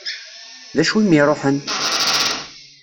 D acu i m-iruḥen?